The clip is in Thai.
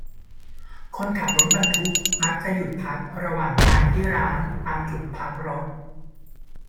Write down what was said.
คนขับรถบรรทุกมักจะหยุดพักระหว่างทางที่ร้านตามจุดพักรถ